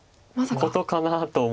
ことかなと。